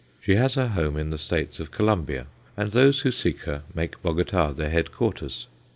She has her home in the States of Colombia, and those who seek her make Bogota their headquarters.